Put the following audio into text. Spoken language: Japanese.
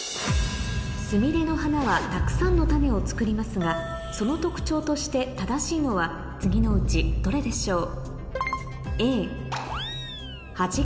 スミレの花はたくさんの種を作りますがその特徴として正しいのは次のうちどれでしょう？